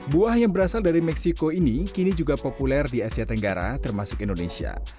buah yang berasal dari meksiko ini kini juga populer di asia tenggara termasuk indonesia